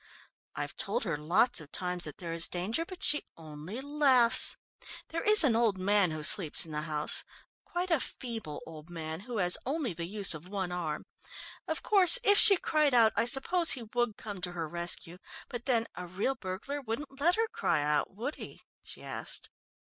"I've told her lots of times that there is danger, but she only laughs. There is an old man who sleeps in the house quite a feeble old man who has only the use of one arm. Of course, if she cried out, I suppose he would come to her rescue, but then a real burglar wouldn't let her cry out, would he?" she asked.